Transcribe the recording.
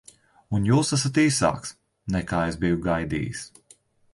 Un jūs esat īsāks, nekā es biju gaidījis.